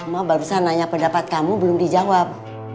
mak barusan nanya pendapat kamu belum dijawab